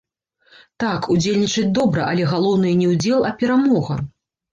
Так, удзельнічаць добра, але галоўнае не ўдзел, а перамога.